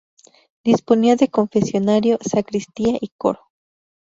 Disponía de confesionario, sacristía y coro.